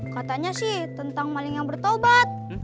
katanya sih tentang maling yang bertobat